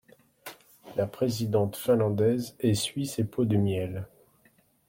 La présidente finlandaise essuie ces pots de miel.